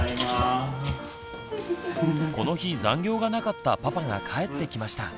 この日残業がなかったパパが帰ってきました。